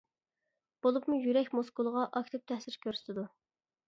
بولۇپمۇ يۈرەك مۇسكۇلىغا ئاكتىپ تەسىر كۆرسىتىدۇ.